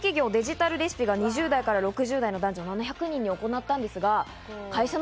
ＩＴ企業デジタルレシピが２０代から６０代の男女４００人に行ったアンケート。